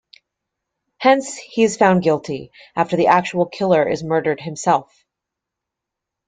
Hence, he is found guilty, after the actual killer is murdered himself.